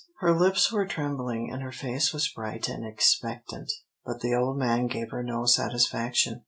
Her lips were trembling, and her face was bright and expectant, but the old man gave her no satisfaction.